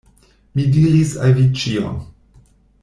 Mi diris al vi ĉion.